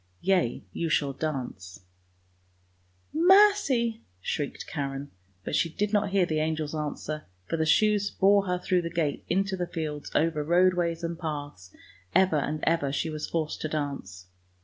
Yea, you shall dance "" Mercy! " shrieked Karen, but she did not hear the angel's answer, for the shoes bore her through the gate into the fields over roadways and paths, ever and ever she was forced to dance.